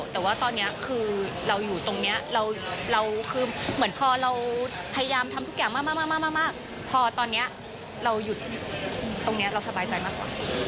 แต่ตอนนี้เราอยู่ตรงนี้เราก็สบายใจมากขวะ